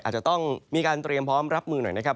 อาจจะต้องมีการเตรียมพร้อมรับมือหน่อยนะครับ